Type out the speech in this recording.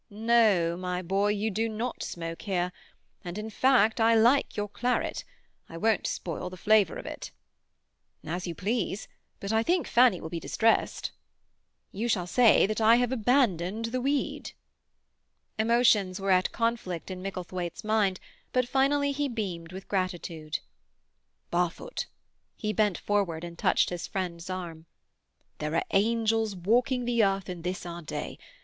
"No, my boy, you do not smoke here. And, in fact, I like your claret; I won't spoil the flavour of it." "As you please; but I think Fanny will be distressed." "You shall say that I have abandoned the weed." Emotions were at conflict in Micklethwaite's mind, but finally he beamed with gratitude. "Barfoot"—he bent forward and touched his friend's arm—"there are angels walking the earth in this our day.